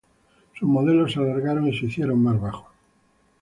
Sus modelos se alargaron y se hicieron más bajos.